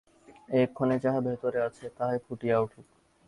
এক্ষণে যাহা ভিতরে আছে, তাহাই ফুটিয়া উঠুক।